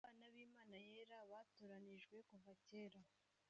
abana b’imana yera baratoranijwe kuva kera